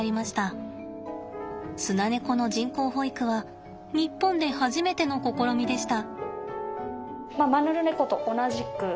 スナネコの人工哺育は日本で初めての試みでした。